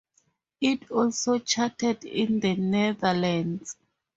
It also charted in the Netherlands.